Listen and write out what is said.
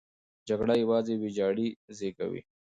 جګړه یوازې ویجاړۍ زېږوي.